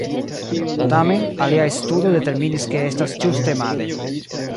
Tamen, aliaj studoj determinis ke estas ĝuste male.